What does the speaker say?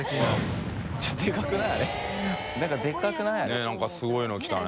佑なんかすごいの来たね。